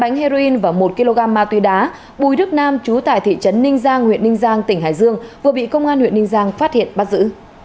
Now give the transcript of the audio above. hai bánh heroin và một kg ma túy đá bùi đức nam chú tại thị trấn ninh giang huyện ninh giang tỉnh hải dương vừa bị công an huyện ninh giang phát hiện bắt giữ